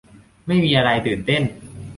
ไม่มีอะไรตื่นเต้น